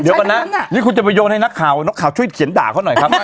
เดี๋ยวก่อนนะนี่คุณจะไปโยนให้นักข่าวนักข่าวช่วยเขียนด่าเขาหน่อยครับ